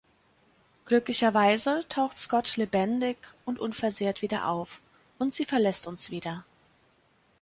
Glücklicherweise taucht Scott lebendig und unversehrt wieder auf, und sie verlässt uns wieder.